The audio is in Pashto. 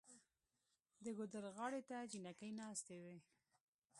د ګودر غاړې ته جینکۍ ناستې وې